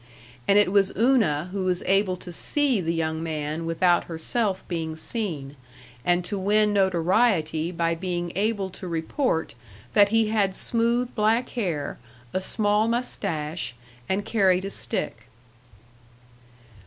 And it was Una who was able to see the young man without herself being seen, and to win notoriety by being able to report that he had smooth black hair, a small mustache, and carried a stick.